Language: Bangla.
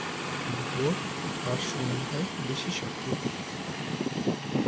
ভোরে আর সন্ধ্যায় বেশি সক্রিয় থাকে।